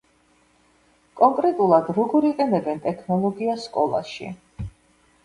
კონკრეტულად, როგორ იყენებენ ტექნოლოგიას სკოლაში.